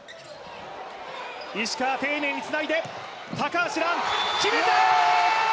石川、丁寧につないで高橋藍、決めた！